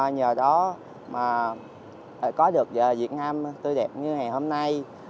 nhờ đó mà có được việt nam tươi đẹp như ngày hôm nay